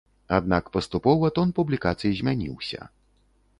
Аднак паступова тон публікацый змяніўся.